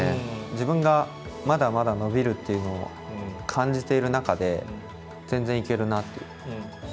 自分がまだまだ伸びるというのを感じている中で全然、行けるなという。